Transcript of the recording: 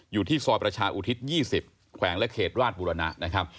อยู่ที่ซอยประชาอุทิศ๒๐แขวงและเขตราชบุรณะนะครับ